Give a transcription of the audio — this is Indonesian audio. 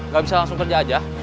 gak bisa langsung kerja aja